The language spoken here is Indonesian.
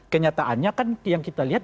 kenyataannya kan yang kita lihat